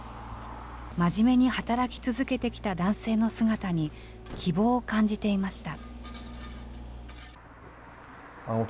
真面目に働き続けてきた男性の姿に希望を感じていました。